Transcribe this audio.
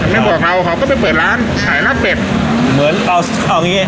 ไม่บอกเราเขาก็ไปเปิดร้านขายหน้าเป็ดเหมือนเอาเอาอย่างงี้